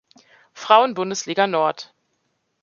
Frauenbundesliga Nord.